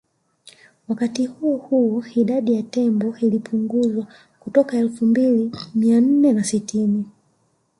Wakati huo huo idadi ya tembo ilipunguzwa kutoka Elfu mbili mia nne na sitini